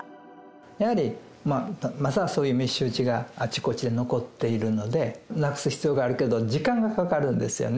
やはりまだそういう密集地があちこちで残っているので、なくす必要があるけど、時間がかかるんですよね。